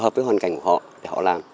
phù hợp với hoàn cảnh của họ để họ làm